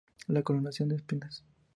La Coronación de Espinas.